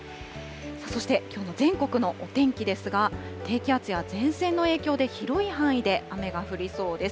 そして、きょうの全国のお天気ですが、低気圧や前線の影響で、広い範囲で雨が降りそうです。